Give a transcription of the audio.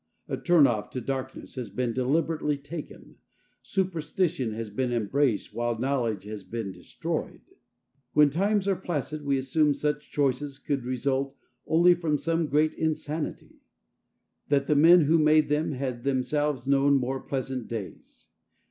A turnoff to darkness has been deliberately taken, superstition has been embraced while knowledge has been destroyed. When times are placid we assume such choices could result only from some great insanity; that the men who made them had themselves known more pleasant days.